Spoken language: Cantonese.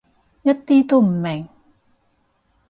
一啲都唔明